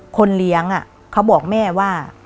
คนเลี้ยงเขาบอกแม่ว่า